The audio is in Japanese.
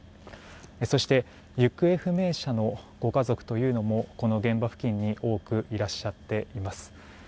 そして行方不明者のご家族というのもこの現場付近に多くいらっしゃっています。